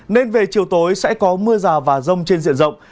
nên về chiều tối sẽ có mưa rào và rông trên diện rộng